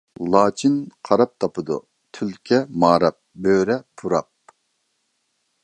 لاچىن قاراپ تاپىدۇ، تۈلكە ماراپ، بۆرە پۇراپ.